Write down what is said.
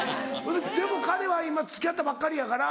でも彼は今付き合ったばっかりやから。